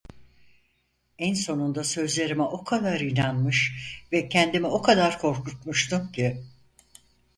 En sonunda sözlerime o kadar inanmış ve kendimi o kadar korkutmuştum ki...